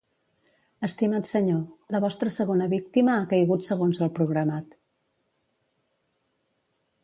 Estimat senyor, la vostra segona víctima ha caigut segons el programat.